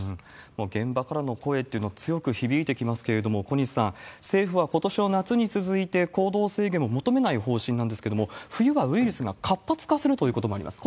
もう現場からの声っていうの、強く響いてきますけれども、小西さん、政府はことしの夏に続いて、行動制限を求めない方針なんですけれども、冬はウイルスが活発化するということもあります。